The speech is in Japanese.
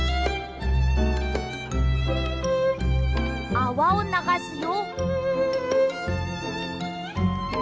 あわをながすよ。